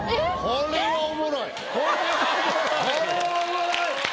これはおもろい。